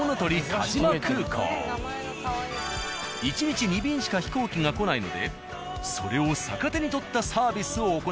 １日２便しか飛行機が来ないのでそれを逆手にとったサービスを行っている。